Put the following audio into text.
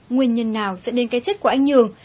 nguyên nhân nào dẫn đến cái chết của anh nhường